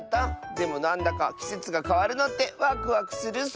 でもなんだかきせつがかわるのってワクワクするッス。